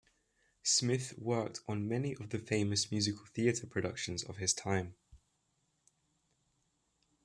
Smith worked on many of the famous musical theatre productions of his time.